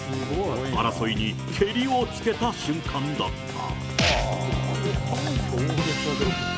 争いにけりをつけた瞬間だった。